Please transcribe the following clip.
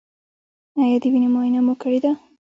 ایا د وینې معاینه مو کړې ده؟